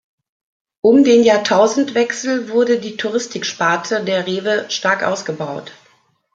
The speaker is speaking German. Um den Jahrtausendwechsel wurde die Touristik-Sparte der Rewe stark ausgebaut.